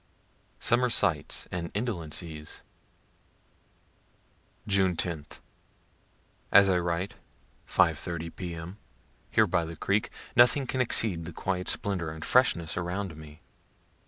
SUMMER SIGHTS AND INDOLENCIES June 10th. As I write, 5 1/2 P.M., here by the creek, nothing can exceed the quiet splendor and freshness around me.